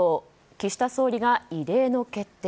岸田総理が異例の決定。